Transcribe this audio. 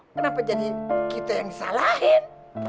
kenapa jangan kita yang salahin